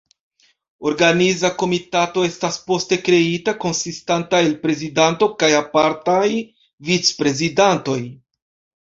Organiza Komitato estas poste kreita, konsistanta el prezidanto kaj apartaj vic-prezidantoj.